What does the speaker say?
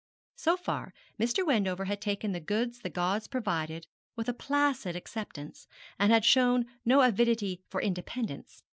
So far Mr. Wendover had taken the goods the gods provided with a placid acceptance, and had shown no avidity for independence.